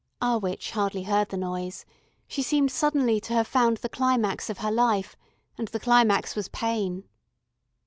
Our witch hardly heard the noise; she seemed suddenly to have found the climax of her life, and the climax was pain.